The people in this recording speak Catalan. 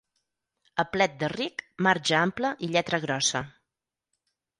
A plet de ric, marge ample i lletra grossa.